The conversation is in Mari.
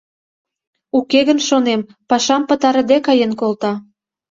Уке гын, шонем, пашам пытарыде каен колта.